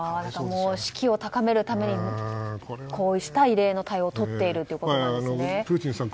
士気を高めるためにこうした異例の対応をとっているプーチンさん